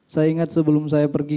saya ingat sebelum saya pergi